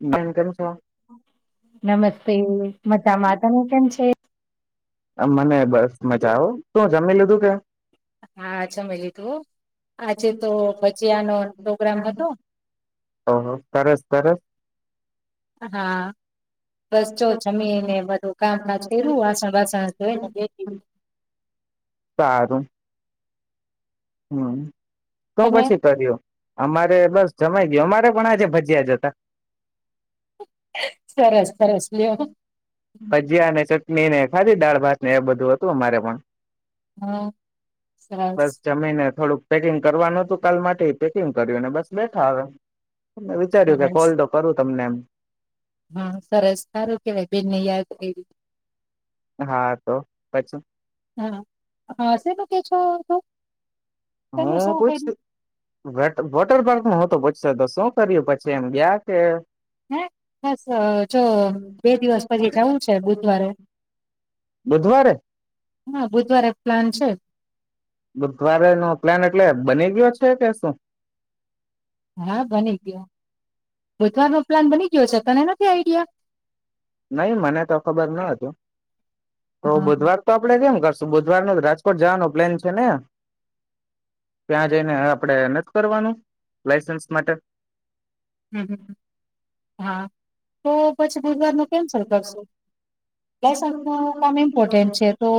બેન કેમ છો? નમસ્તે મજામા તમે કેમ છે આ મને બસ મજા હો શું જમી લીધુ કે હા જમી લીધુ હો આજે તો ભજીયા નો પ્રોગ્રામ હતો ઓહો સરસ સરસ હા બસ જો જમીને બધુ કામકાજ કર્યું વાસણ બાસણ ધોઈને બેઠી સારું હમ તો તમે પછી કર્યું અમારે બસ જમાઈ ગયુ અમારે પણ આજે ભજીયા જ તા સરસ સરસ લ્યો ભજીયા અને ચટણી ને ખાલી દાળ ભાત ને એ બધુ હતુ અમારે પણ હમ સરસ ને થોડુક પેકિંગ કરવાનુ હતુ કાલ માટે પેકિંગ કર્યુંને બસ બેઠા હવે મેં વિચાર્યું કે સરસ કોલ તો કરું તમને એમ હા સરસ સારું કેવાય બેનને યાદ કયરી હા તો પછી હા હાશે તો કે છ હતું હું છ વોટ વોટર પાર્ક મા હતો તો શું કર્યું પછી એમ ગયા તે હ બસ જો બે દિવસ પછી જાવુ છે બુધવારે બુધવારે? હા બુધવારે પ્લાન છે બુધવારે નો પ્લાન એટલે બની ગયો છે કે શું હા બની ગયો બુધવાર નો પ્લાન બની ગયો છે તને નથી આઈ ઇઆ નહી મને તો ખબર ન હતુ તો હા બુધવાર તો આપડે કેમ કર બુધવાર ન રાજકોટ જવાનો પ્લાન છે ને ત્યા જઈને આપડે નથી કરવાનુ લાઈસન્સ માટે હમ હા તો પછી બુધવારનુ કેન્સલ કરશુ લઇસન્સ ન કામ ઇમ્પોર્ટેન્ટ છે તો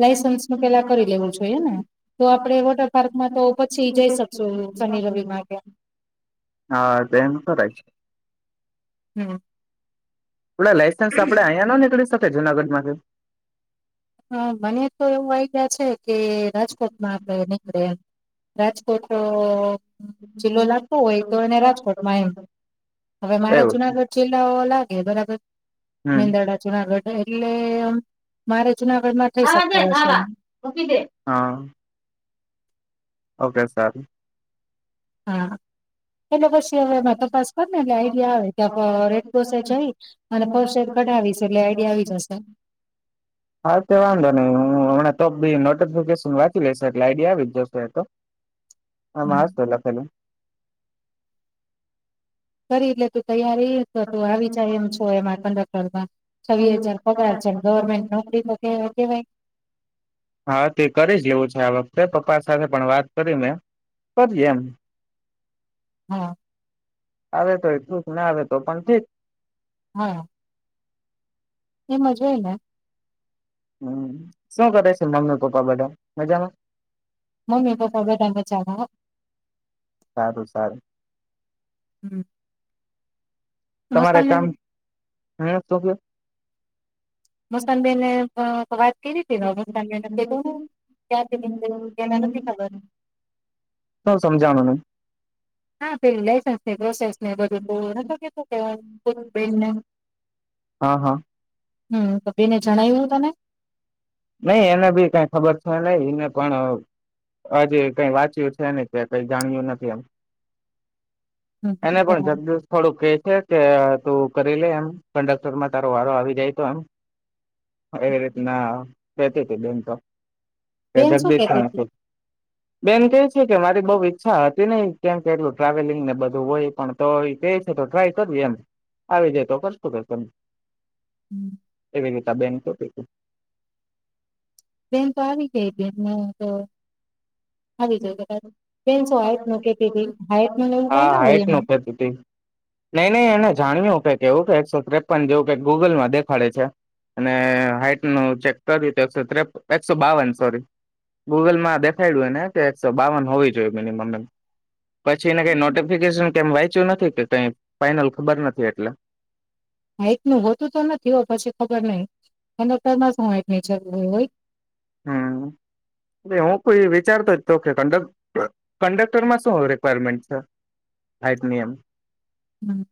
લાયસન્સનુ પેલા કરી લેવું જોઈએ ને તો આપણે વોટર પાર્કમા તો પછી જઈ શકશું શનિ રવિ મા કે કરે છે. હમ આપણે લાયસન્સ આપણે આયા ન નીકળી શક કે જુનાગઢમાંથી હા મને તો એવું આઈડિયા છે કે રાજકોટમાં આપણે નીકળે એમ રાજકોટ જિલ્લો લાગતો હોય તો એને રાજકોટમાં એમ હવે મારે એવું જુનાગઢ જિલ્લો લાગ એ બરાબર હમ મેંદરડા જુનાગઢ એટલે એમ મારે જુનાગઢમાં થઈ શકતું હશે હ. ઓકે સારું. હા એના પછ [inaudible] ત્યાં રેડક્રોસે જઈ અને ફર્સ્ટ એડ કઢાવીશ એટલે આઈડિયા આવી જશે હાલ તો વાંધો નહીં હું હમણાં તો બી નોટિફિકેશન વાંચી લઈશ એટલે આઈડીયા આવી જ જશે એ તો. એમાં હમ હસ્તે લખેલું. કરી એટલે તું તૈયારી તો તું આવી જાય એમ છો એમાં કંડક્ટરમાં. છવ્વીસ હજાર પગાર છે ગવર્મેન્ટ નોકરી તો કે કેવાય હા તે કરે જ એવો છે આ હવે પપ્પા સાથે પણ વાત કરીને કરી એમ. હા. આવે તોય ઠીક ના આવે તો પણ ઠીક. હા. એમજ હોય ને. હમ્મ શું કરે છે મમ્મી પપ્પા બધા મજામાં? મમ્મી પપ્પા બધાય મજામાં હ. સારું સારું. હમ્મ. તમારે કામ હમ્મ શું કયો? મોસનબેન ને અ. [unintelligible] ક્યાંથી નીકળી એને નથી ખબર [inaudible] શું સમજાણું? હા પેલું લાયસન્સની પ્રોસેસ ને એ બધું તું નતો કે તો કે બિલને. હ. હમ્મ તો બેને જણાવ્યું તને? નઈ એને બી કાંઈ ખબર છે નઈ એને પણ હજી કઈ વાંચ્યું છે નઈ કે કઈ જાણ્યું નથી એમ. હમ એને પણ બરાબર જબજત થોડુંક કે છે. તું કરી લે એમ કંડક્ટરમાં તારો વારો આવી જાય તો એમ એવી રીતના બેતી તે બેન તો બેન તદક શું કેતી બેસ્ણપ હતી બેન કે છે કે મારી બઉુ ઈચ્છા હતી નહ કેમ કે એટલું ટ્રાવેલિંગ ને બધું હોય પણ તો કે છે તો ટ્રાય કરવી એમ આવી જાય તો કરશું કે ત હમ્મ. કે રી બેન તો બેન તો આવી ગઈ બેન તો આવી જાય કદાચ બેન શું હાઈટ નું કેતી હતી હાઈટ નું ને એવું કઈ હા ના હોય હાઈટ ન એમાં તું નહી નઈ એને જાણ્યું કેવું કે એકસો ત્રેપન જેવું ક ગૂગલમાં દેખાડે છે અને હાઈટ ન ચેક કર્યું તો એકો એકસો બાવન સોરી ગૂગલ માં દેખાડ્યું એને એક સો બાવન હોવી જોઈએ મિનિમમ એ પછી એને કઈ નોટિફિકેશન કેમ વાંચ્યું નથી કે કઈ ફાઈનલ ખબર નથી એટલે હઈટ નું હોતું તો નથી હો પછી ખબર નહિ કક્ટર માં શુંની હમ એટ હું કોઈ વિચારતો તો કક કંડક્ટરમાં શું રિક્વાયરમેન્ટ છે હાઈટની એમ હમ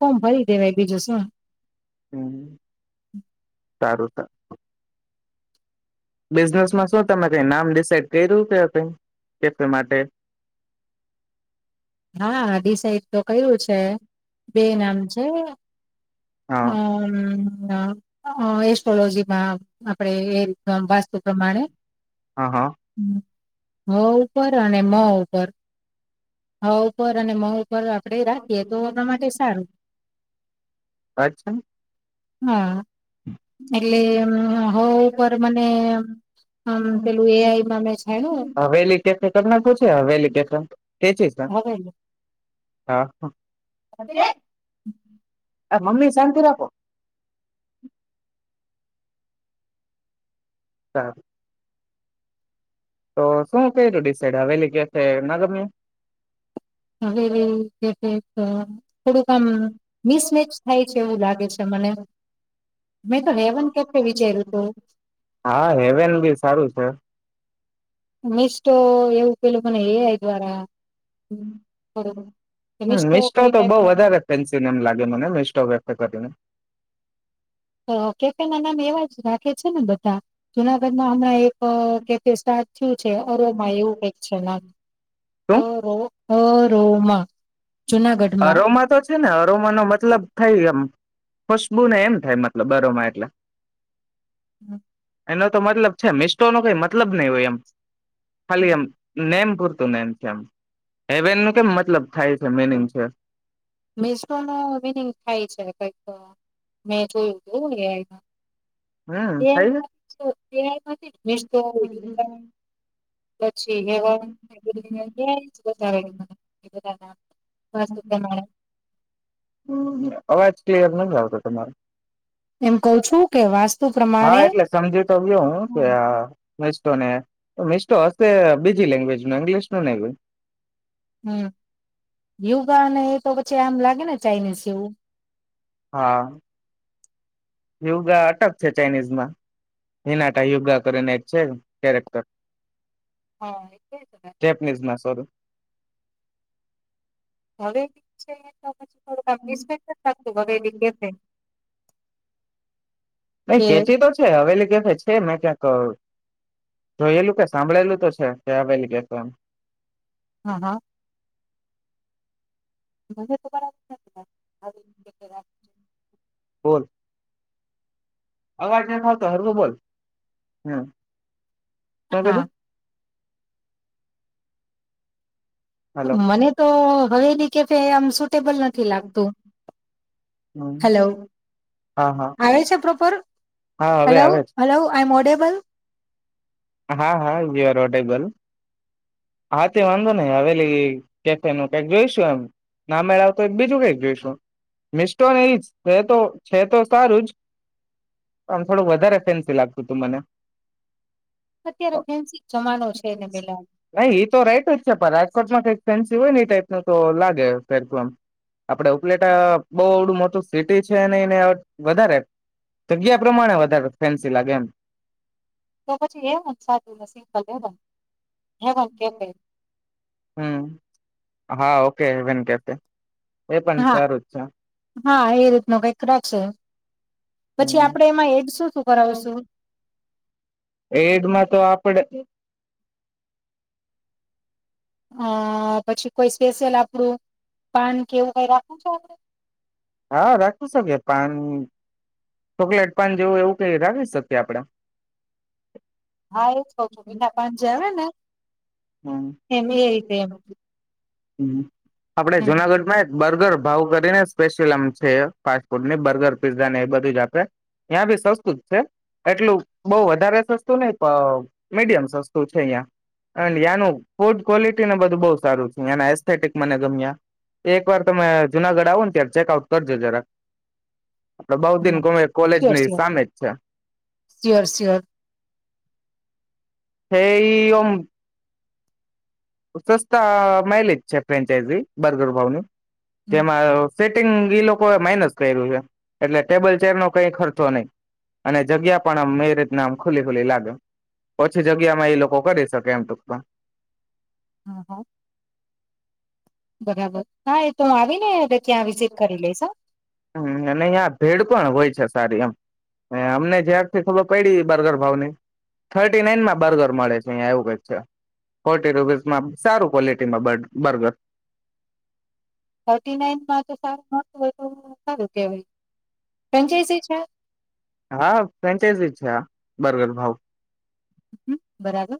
ફોમ ભરી દેવાય બીજું શું હમ સારું ત બિઝનેસમાં શું તમે કઈ નામ ડિસાઈડ કર્યું કે કઈ કેફ માટે હા ડડીસાઇડ તો કું છે બે નામ છે હા હમ એસ્ટ્રોલોજી માં આપડે એ રી શ પ્રમાણે હા હા હ હ ઉપર અને મો ઉપર હા ઉપર અને મ ઉપર આપડે રાખીએ તો આપણા માટે સારું અચ્છા હા એટલે હો ઉપ મને પેલું એ આઈમાં મે થું હવેલી તે છે હા હા કત આ મમ્મી શાંતિ રાખો હા તો શું કું ડિસઇડ હવેલી ક છે નગરની હવે થોડુંક આમ મિસમેચ થાય છે એવું લાગે છે મને મેં તો હેવન કે વિચાર્યું હતું હા હેવેન બી સારું છે મિસ્ટો એવું પેલું મને એ આઈ દ્વારા થોડુંક મિસ્ટો મીસ્ટો કઈ તો બ ટાઈપનું વધારે ફેન્સીન એમ લાગે મને મીસ્ટો વ કરીને તો કેકેન નામ એવા જ રાખે છે ને બધા જુનાગઢમાં હમણાં એક અ કે સા શું છે અરોમા એવું કંક છે ના શું અરો અરોમા જુનાગઢમાં અરોમા તો છે ને અરોમા નો મતલબ થાય એમ ખુશબુ ને એમ થાય મતલબ બરોમાં એટલે હમ એનો તો મતલબ છે મિસ્ટોનો કઈ મતલબ નઈ હોય એમ ખાલી એમ નેમ. તું ને એમ એવેનું કેમ મતલબ થાય. મેનીમ છે મિસરો નો વિનિંગ થાય છે કઈક મેં જોયું હમ હતું થાય [unintelligible] [unintelligible] અવાજ ક્લિયર નથી આવતો તમારો એમ કઉ છું કે વાસ્તુ હા પ્રમાણે મસ્ત ને મસ્ત હસ્થ બીજી લેન્ગવેજ ઇંગલિશ પણ હવે હમ યુગા અને એ તો પછી આમ લાગ કે ને ચાઇનીઝ એવું હા યોગા અટક છે ચાઇનીઝમાં હિનાટા યોગા કરીને જ છે કેરેક્ટર હા એટલે જ ને ચેપનીઝમાં સોરી. હવે જ છે. તો જ. [unintelligible] નહી કે ખેચી તો છે હવેલી છે મે ક્યાંક કહ્યું કે એલોકો સાંભળેલું તો છે કે આવેલ કક આમ. હા હા [unintelligible] ફલ અવાજ નથી આવતો હરખુ બોલ હમ તો હા કધું હલો મને તો હવેલી કે ફે આમ સુ તુબલ નથી લાગતું હલો હા હા આવે પ્રોપર હા હવે હલો આવે હલો [unintelligible] બલ. હા હા વ્યારાટેબલ હા તે વાંધો નહિ હવેલી કેફ ન ક જોઈશું એમ ના મેળ તો બીજું કઈક જોઈશું મિસ્ટોનેજ તો છે તો સારું જ થોડું વધારે ફેન્સી લાગતું તું મને. અત્યારે ફેન્સી જમાનો છે ને મિલા. નઈ એ તો રાઈટ જ છે પણ રાજકોટમાં કઈક ફેન્સી હોય ને ટાઈપ ન તો લાગે ફેરફમ આપડે ઉપલેટા બહુડું મોટું સિટી છે એને વધારે તો ગ્યા પ્રમાણે વધાગત ફેન્સી લાગે એમ. તો પછી એમ સાધું નસીબ વધારે. હે પણ કેક [inaudible] હા સારું જ છે હા એ રીત નું કઈક રાખશે પછી આપણેે એમાં એડ શું શું કરાવશું એડમાં તો આપડે અ પછી કોઈ સ્પેશિયલ આપડું પાન કેવું કઈ રાખું છ આપ હા રાખી શકે પાણી ચોકલેટ પાન જેવું એવું રાખી શકીએ આપડા હા એજ કહું છું મીઠા પાન જે આવે ને હમ એમ એ રીતે એમ હમ આપડે હમ જુનાગઢ માં બર્ગર ભાવ કરીને સ્પેશિયલ આમ છે ફાસ્ટ ફૂડને બર્ગર પીઝા ને એ બધું જ આપે ત્યાં બી સસ્તું જ છે એટલું બહ વધારે સસ્તું નહ મીડિયમ સસ્તું છે અં અને એનું ફૂડ ક્વોલિટીને બધું બઉ સારું છે એના એસ્થેટિક મને ગમ્યા એક વાર તમે જુનાગઢ આવો ને ત્યારે ચેક આઉટ કરજો જરાક આપડે બઉ દિન ગમે સ્યોર કોલેજની સ્યોર સામે જ સ્યોર સ્યોર છે એમ સસ્તા માઇલેજ છે ફ્રેન્ચાઈઝ બર્ગર ભાવ ની હમ તેમાં સીટિંગ ઈ લોકો એ માઇનસ કર્યું છે એટલે ટેબલ ચેર નો કઈ ખર્ચો નઈ અને જગ્યા પણ આમ એ રીતના આમ ખુલી ખુલી લાગે ઓછી જગ્યામાં એ લોકો કરી શકે એમ ટૂક હા હા બરાબર હા એ તો હ આવીને ત્યાં વિઝિટ કરી લઈેશ હ હમ અને અહીં ભેડ પણ હોય છે સારી એમ અમને જ્યારથી ખબર પડી બર્ગર ભાવની થર્ટી નાઈનમાં બર્ગર મળે છે અહિયાં એવું ક છે ફોર્ટી રૂપીસમાં સારું ક્વોલિટીમાં બ બર્ગર થર્ટી નાઈનમાં તો સારું નતું હોય તો સારું કેવાય ફ્રેન્ચાઈઝી છે હા ફ્રેન્ચાઈઝ છે આ બર્ગર ભાવ હમ બરાબર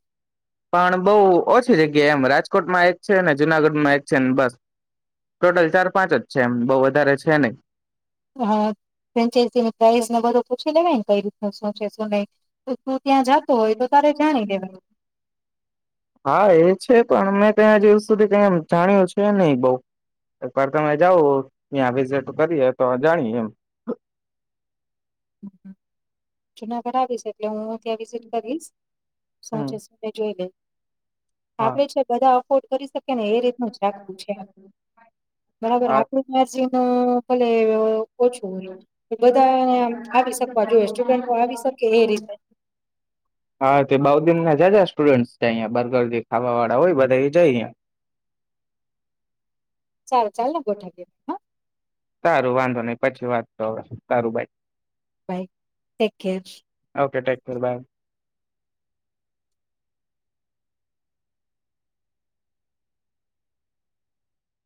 પણ બહુ ઓછી જગ્યા એમ રાજકોટમાં એક છે ને જુનાગઢમાં એક છે ને બસ ટોટલ ચાર પાંચ જ છે એમ બહ વધારે છે નહી હા ફન્ચની પ્રઇઝને બધું પૂછી લેવાને કઈ રીત શું છે શું નહ હા એ છે પણ મેં ક જ સુધી ક જાણ્યું છે નહી બઉ એકવાર તમે જાાવ ત્યાં વિઝિટ કરીએ તો જાણીએ એમ જૂના કરાવી છે એટલે હું ત્યાં વિઝિટ કરીશ હમ સાચે જોઈ લઈ હા આપડે છે બધા અફોર્ડ કરી શકી ને એ રીતનું જ રાખવું છે બરાબર હા આપું ના કલે ઓછું હોય બધાને આમ આવી શકવા જોઈએ સ્ટુડન્ટો આવી શકે એ રીતે હા તે બઉ દન ના જ સ્ટુડન્ટ જાય બર્ગરગ ખાવા વાળા હોય બધા એ જાયં ચાર ચાર લોકો ગોઠાકી હા તારું વાંધો નહી પછી વાત તો તારુંભાઈ બ take care bye okay take care by